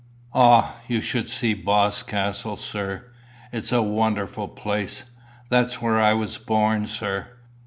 "Ah, you should see Boscastle, sir. It's a wonderful place. That's where I was born, sir.